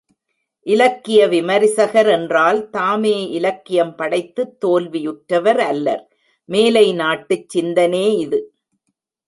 இலக்கிய விமரிசகர் என்றால், தாமே இலக்கியம் படைத்துத் தோல்வியுற்றவர் அல்லர்! மேலைநாட்டுச் சிந்தனே இது.